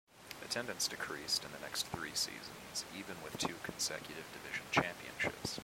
Attendance decreased in the next three seasons, even with two consecutive division championships.